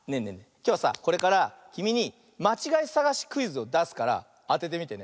きょうはさこれからきみにまちがいさがしクイズをだすからあててみてね。